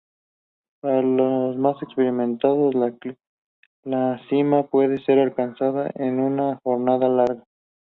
Para los más experimentados, la cima puede ser alcanzada en una jornada larga.